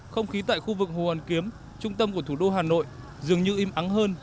không khí tại khu vực hồ hoàn kiếm trung tâm của thủ đô hà nội dường như im ắng hơn